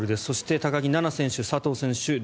そして、高木菜那選手佐藤選手